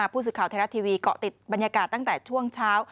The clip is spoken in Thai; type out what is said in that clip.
ผู้สื่อข่าวไทยรัฐทีวีเกาะติดบรรยากาศตั้งแต่ช่วงเช้า